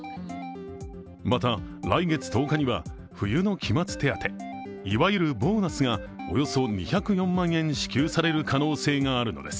また、来月１０日には冬の期末手当いわゆるボーナスがおよそ２０４万円支給される可能性があるのです。